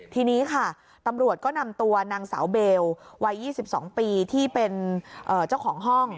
ทีนี้ค่ะตำรวจก็นำตัวนางสาวเบลวัย๒๒ปีที่เป็นเจ้าของห้อง